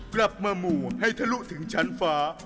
กลับมาหมู่ให้ทะลุถึงชั้นฟ้า